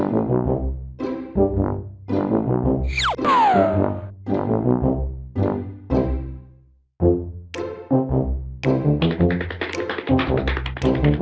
แล้วไม่จำเป็น